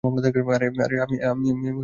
আরে আমি কী করেছি।